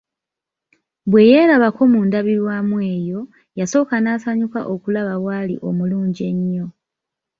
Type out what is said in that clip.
Bwe yeerabako mu ndabirwamu eyo, yasooka n'asanyuka okulaba bw'ali omulungi ennyo.